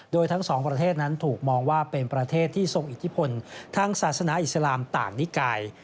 โดยทั้งสองประเทศนั้นถูกมองว่าเป็นประเทศที่ทรงอิทธิพลทางศาสนาอิสลามต่างนิกาย